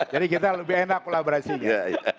jadi kita lebih enak kolaborasinya